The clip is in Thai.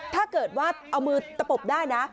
ถ้าเกิดว่าเอามือตะปบได้นะ